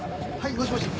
もしもし。